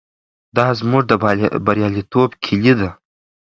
دا زموږ د بریالیتوب کیلي ده.